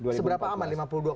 seberapa aman lima puluh dua dua